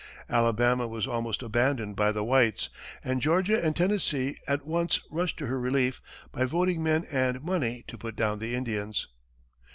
Alabama was almost abandoned by the whites, and Georgia and Tennessee at once rushed to her relief by voting men and money to put down the Indians.